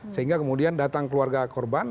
sehingga kemudian datang keluarga korban